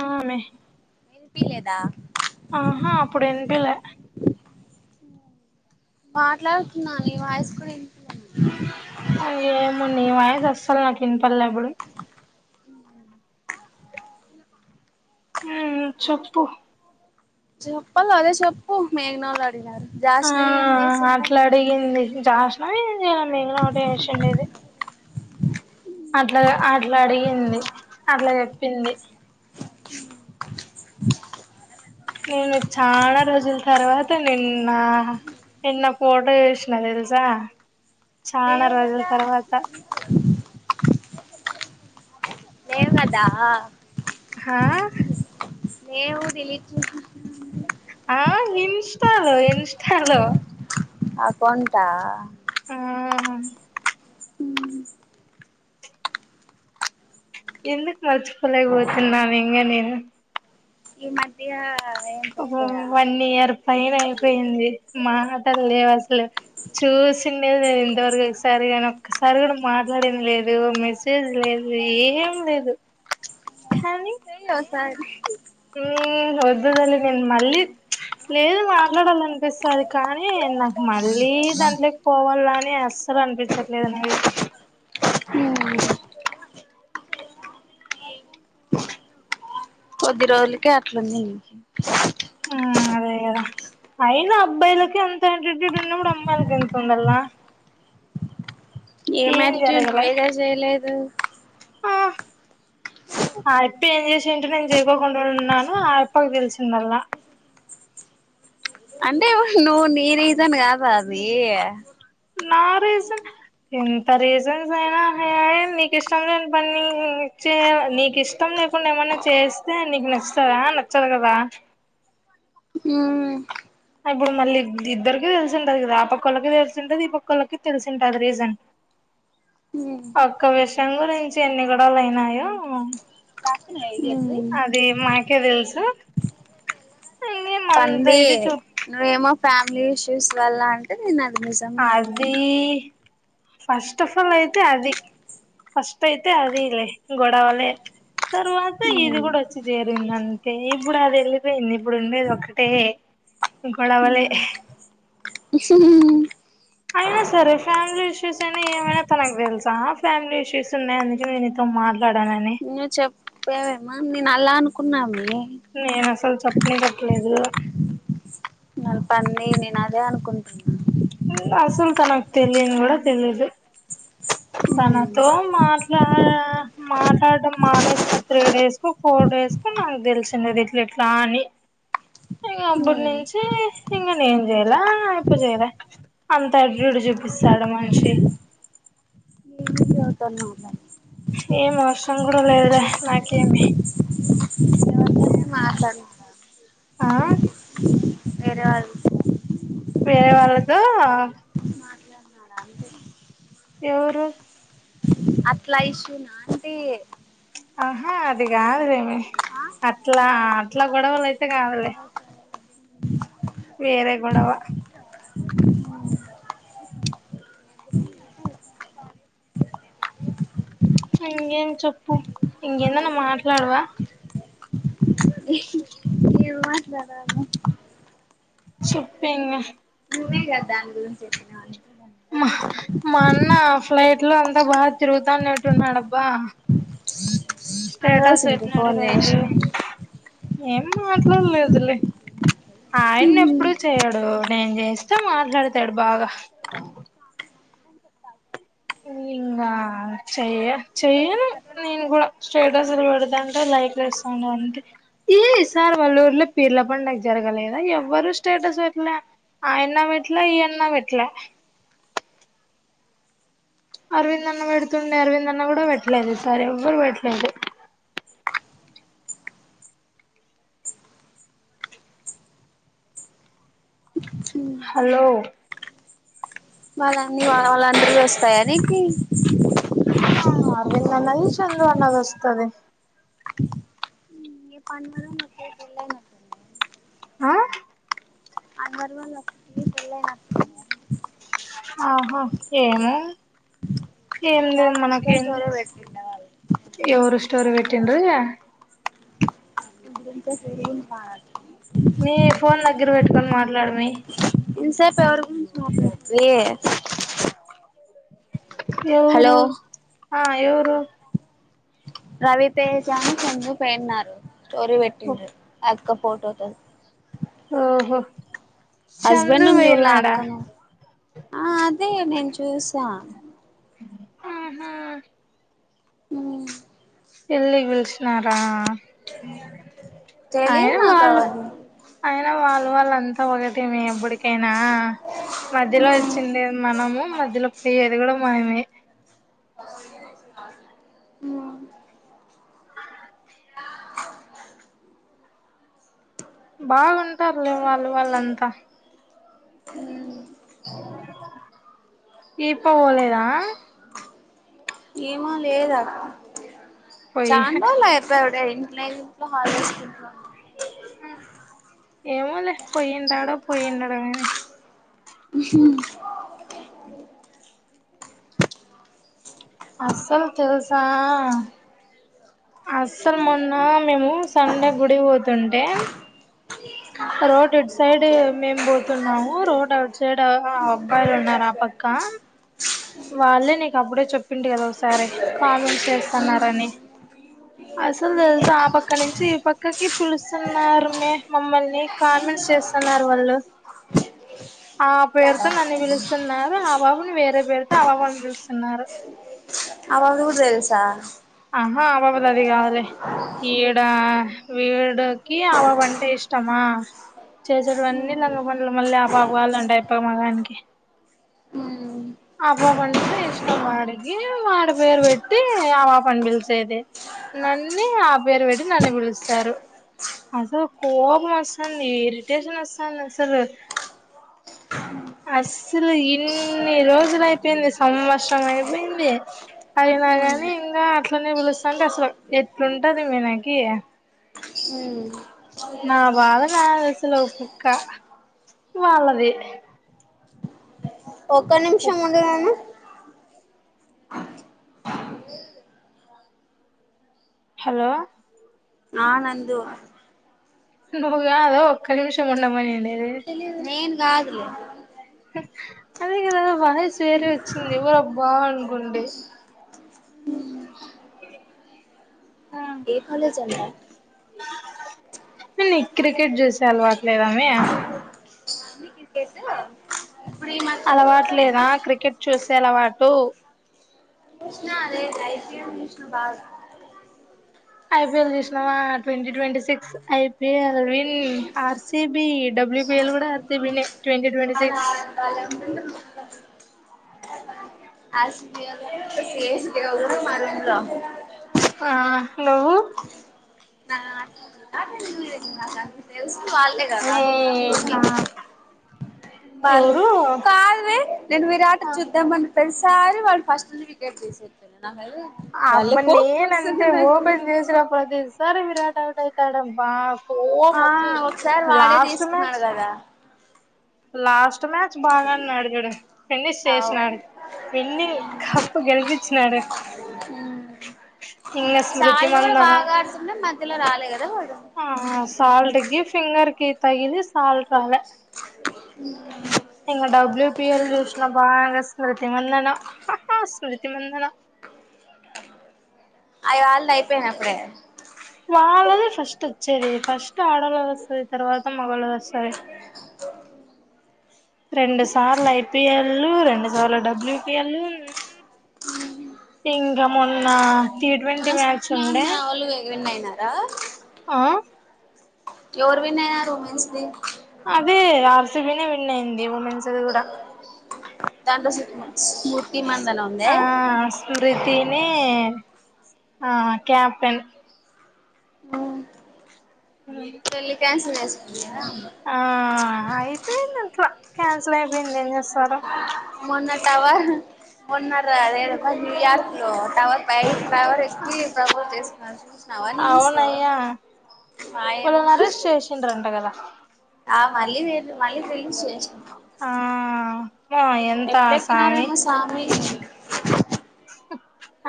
ఆమె, పీ లేదా, ఆహా అప్పుడు ఇన్పిలే, మాట్లాడుతున్నాను నీ వాయసు కూడా ఏం, అగే మున్నవాయజసలు నాటిన్ పల్లప్పుడు, ఉం చెప్పు, చెప్పలో అదే చెప్పు మేఘనోళ్ళు అడిగనారు ఆ దాసినవి ఏం చేసింది అట్లా అడిగింది జాహ్నవి మేఘన ఒకటి చేసిండేది అట్లా అట్లా అడిగింది అట్లా చెప్పింది నేను చాలా రోజుల తర్వాత నిన్న నిన్న ఫోటో చేసినా తెలుసా చాలా లేవు రోజుల కదా తర్వాత ఏం కాదా హా ఏమో తెలియట్లే ఆ ఇన్స్టలో ఇన్స్టలో అకౌంట్ ఆ ఆహా ఉ ఎందుకు మర్చిపోలేక పోతున్నాను ఇంగా నేను ఈ మధ్య ఏం పెట్టలేదా ఇన్నియార్ ఫైవ్ అయిపోయింది మాటలు లేవు అసలు చూసిండేదిను ఇంతవరకు ఒకసారిగానీ ఒకాసారి కూడా మాట్లాడేది లేదు మెసేజ్ లేదు ఏం లేదు కాని ఉండు ఓ సారి ఉ వద్దు తల్లి. నేను మళ్ళీ లేదు మాట్లాడాలనిపిస్తది కానీ నాకు మళ్ళీ దాంట్లోకి పోవాల అని అస్సలు అనిపించట్లేదు అవి ఉ కొద్ది రోజులకే అట్లా ఉన్నది ఆ అదే కాదా అయినా అబ్బాయిలకి ఎంత ఎంట్రక్టెడ్ ఉన్నప్పుడు అమ్మాయిలకి ఎంత ఉండాల ఏ ఏం మ్యారిట్ నువ్వు ఎలా చేయలేదు ఆ ఆ అప్ప ఏం చేసింటో నేను చేకోకుండా ఉన్నాను ఆ అప్పకి తెలిసిందల అంటే నువ్వు నీ రీజన్ కాదా అది నారీజన్ ఎంత రీజన్స్ ఏ రీజన్ హై అయినా నీకు ఇష్టం లేని పని నీకు ఇష్టం లే చెప్పకుండా ఏమన్నా చేస్తే నీకు నచ్చుతదా నచ్చదు కదా ఉ ఇప్పుడు మళ్ళీ ఇద్దరిక తెలిసి ఉంటది కదా ఆ పక్కళ్ళకి తెలిసి ఉంటేది ఈ పక్కళ్ళకి తెలిసింటే అది రీజన్ ఒక్క విషయం గురించి ఎన్ని గొడవలు అయినాయో ఉ అది మాకే తెలుసు ఇంగేం అంత పంది ఇది చూ నువ్వేమో ఫ్యామిలీ ఇష్యూస్ వల్ల అంటే నేను అది నిజమే అనుకున్నాను ఈ ఫస్ట్ ఆఫ్ ఆల్ అయితే అది ఫస్ట్ అయితే అది లే గొడవలే తర్వాత ఇది కూడా వచ్చి చేరింది అంతే ఇప్పుడు అది వెళ్ళిపోయింది ఇప్పుడు ఉండేది ఒక్కటే గొడవలే అయినా సరే ఫ్యామిలీ ఇష్యూస్ అయినా ఏమైనా తనకు తెలుసా ఫ్యామిలీ ఇష్యూస్ ఉన్నాయందుకనే తో మాట్లాడానని నువ్ చెప్పేవేమ నేను అలా అనుకున్నా నేను అసలు చెప్పనే చెప్పలేదు నల్ పన్ని నేను అదే అనుకుంటున్నా అసల్ తనక్ తెలిన్ కూడా తెలిదు తనతో మాట్లా మాట్లాడం మానేసిన త్రీ డేస్ కో ఫోర్ డేస్ కో నాకు తెలిసింది ఇది ఇట్లిట్లా అని ఇగ అప్పుటి నుంచి ఇంగా నేన్ జేయలే ఆయప్ప జేయలే అంత యాటిట్యూడ్ చూపిస్తాడు ఆ మనిషి ఏవతున్న ఓటే ఏం ఆవశ్రం కూడా లేదులే నాకేమి ఎవరితో ఏం మాట్లాడా ఆ వేరేవాళ్ వేరే వాళ్ళతో మాట్లాడినారా అంటే ఎవరు అట్లా ఇష్యూ నా అంటే ఆహా అది కాదులేేమే అట్లా అట్లా గొడవలు అయితే కాదులే వేరే గొడవ ఇంగేం చెప్పు ఇంకేందన్నా మాట్లాడవా ఇహ్ మాట్లాడాలా చెప్పింగా ఇప్పుడే గా దాని గురించి చెప్పినా మా మా అన్న ఫ్లైట్ లో అంతా బాగా తిరుగుతానట్టున్నాడబ్బా స్టేటస్ అడగాల్సి ఉంటే పెట్నాడు ఫోన్ రోజు చేసి ఏం మాట్లాడలేదులే ఆయన్న ఏప్పుడుూ చేయడు నేను చేస్తే మాట్లాడతాడు బాగా ఇంగ చేయా చెయ్యను నేను కూడా స్టేటస్ పెడదా అంటే లైక్ చేస్తోండా అంటే ఏ ఈ సార్ వల్లూరులో పీర్ల పండుగ జరగలేదా ఎవ్వరు స్టేటస్ పెట్లే ఆయన్న వెట్లే ఈయాన్నా వేట్లే అరవింద్ అన్న పెడుతుండే అరవింద్ అన్న కూడా పెట్టలేదు ఈ సారి ఎవ్వరు పెట్లేదు హ్ హలో వాళ్ళన్నీ వాళ్ళ వాళ్ళందరి వస్తాయా నికి ఆ అరవింద్ అన్నది చందు అన్నది వస్తది పండన్న ఆ అన్వర్ వాళ్ళ పెళ్ళైన ఆహా ఏమో తేలేదు ఒకసారి ఇన్స్టా మనకేంది స్టోరీ పెట్టిండే వాళ్ళు ఎవరు స్టోరీ పెట్టింరు సిరిగుం ఆ మీ ఫోన్ దగ్గర పెట్టుకని మాట్లాడమే ఇంత సేపు ఎవరి గురించి మాట్లాడుతున్నారు హలో ఎవరు ఆ ఎవరు రవితేజ ను సంజీ పోయారు స్టోరీ పెట్టిండ్రి ఆ అక్క ఫోటోతో ఆహో హస్బెండ్ ను చూళ అక్కను ఆ అదే నేను చూసా హుమ్ హుమ్ హుమ్ పెళ్ళి పిలిచినారా ఆయన తెలియదు నాకు వాళ్ళు అవన్నీ అయినా వాళ్లు వాళ్ళ అంతా ఒకటేనే ఎప్పడికైనా మధ్యలో వచ్చింది మనము మధ్యలో పోయ్యేది కూడా మనమే బాగుంటారులే వాళ్ళు వాళ్ళంతా దీపు పోలేదా ఏమో లే పోయి చాలారోజులు అయింది అప్పుడే ఇంట్లో ఇంట్లో హాలిడేస్ కి ఏమోలే పోయించోటు పోయి ఉండటం కానీ [unintelligible] అస్సలు తెలుసా అస్సలు మొన్న మేము సండే గుడికి పోతుంటే రోడ్ ఇటు సైడ్ మేము పోతున్నాము రోడ్ అటు సైడ్ అబ్బాయిలు ఉన్నారు ఆ పక్క వాళ్ళే నీకు అప్పుడే చెప్పింటి కదా ఒకసారి కామెంట్స్ చేస్తున్నారని అసలు తెలుస ఆ పక్క నుంచి ఈ పక్కకి పిలుస్తున్నారు మె మమ్మల్ని కామెంట్స్ చేస్తున్నారు వాళ్ళు ఆ పేరుతో నన్ను పిలుస్తున్నారు ఆ బాబుని వేరే పేరుతో ఆ బాబుని పిలుస్తున్నారు ఎవరు తెల్సా ఆహా ఆ బాబుది అది కాదే ఈడా వీడికి ఆ పాపంటే ఇష్టమా చేసెటివన్నీ లంగ పనులు మళ్ళీ ఆ పాప కావాలంటే ఎట్లా మగానికి ఆ పాపంటే ఇష్టం వాడికి వాడి పేరు పెట్టి ఆ పాపనీ పిలిచేది నన్ని ఆ పేరు పెట్టి నన్ను పిలుస్తారు అసలు కోపమ్ వస్తుంది ఇరిటేషన్ వస్తుంది అసలు అసలు ఎన్ని రోజులు సంవత్సరం అయిపోయింది అయినా గాని ఇంకా అట్లనే పిలుస్తంటే అసలు ఎట్లుంటది మనాకి హ నా భాధ నాది అసలు ఒక పక్క వాళ్ళది ఒక్క నిమిషం ఉండు హలో ఆ నందు నువ్ కాదా ఒక్క నిమిషం ఉండుమనింది నేను కాదులే అదే కదా వాయిస్ వేరే వచ్చింది ఎవరబ్బా అనుకుంటి [unintelligible] ఏ కాలేజ్ అంట నీ క్రికెట్ చూసే అలవాట్లేదని ఇప్పుడీ మాత్ర [inaudible] చూసేలవాటు చూష్ణ లేదు [inaudible] ఐపీఎల్ చూస్నవా twenty twenty six IPL win are CB WBL కూడా ఆర్సిబి నే [inaudible] [inaudible] ఆ హలో [inaudible] మీ ఆ ఎవరు కాద్ వె నేను విరాట చూద్దామని ప్రతి సారి వాళ్ళు ఫస్ట్ నుని వికెట్ తీసేస్ [inaudible] అబ్బ నేన అంతే ఓపెన్ చేసిన ప్రతిసారి విరాట్ అవుట్ అవుతాడబ్బా కోపం ఆ వత్తది ఒకసారి వాడే లాస్ట్ తీసుకున్నాడు మ్యాచ్ కదా లాస్ట్ మ్యాచ్ బాగానే అడిగాడే ఫనిష్ అవు చేసినాడు విన్ని కప్పు గెలిపించినాడు ఇంద స్మృతి మందనా అంటే మధ్యలో రాలే కదా వాడు ఆ సాల్ట్ కి ఫింగర్ కి తగిలిస్ ఇంగ డబ్ల్యూపిఎల్ చూసినా బాగా స్మృతి మందన స్మృతి మందన అయ్ రాల్డ్ అయిపోయినయ్ అప్పుడే వాళ్ళదే ఫస్ట్ వచ్చేది ఫస్ట్ ఆడొళ్ళదొస్తది తర్వాత మగొళ్ళది వస్తది రెండు సార్లు ఐపిఎల్ రెండు సార్లు డబ్ల్యూపిఎల్ ఇంగ మొన్న టీ ట్వంటీ మ్యాచ్ ఉండే నావోళ్ళు వేగ్ విన్ అయ్నారా ఆ ఎవరు విన్ అయ్యారు వుమెన్స్ ది అదే ఆర్సిబీనే విన్ అయింది ఉమెన్స్ ది కూడా దాంట్లో స్ స్మూత్ ఆ స్మృతినే ఆ క్యాప్టెన్ [inaudible] పెళ్లి క్యాన్సల్ చేసుకున్నారా ఆ అయ్పోయింది అట్లా క్యాన్సిల్ అయ్పోయింది ఏం చేస్తారు మొన్న టవాల్ మొన్న రా అదేదో న్యూయార్క్ లో టవర్ పై టవర్ ఎక్ [inaudible] వాళ్లన్ అరేస్ట్ చేషిన్ రన్ట కదా ఆ మళ్ళీ వేరు మళ్ళీ ఫిల్మ్స్ చేేశిండ్ర్ ఆ మో ఎంత సామి ఎట్లెక్కినారేమో సామి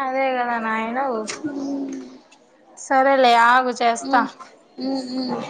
అదే కదా నాయనో సరే లే ఆగ్ ఉమ్ హ్మ్ హ్మ్